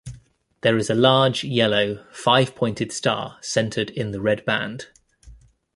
There is a large, yellow, five-pointed star centered in the red band.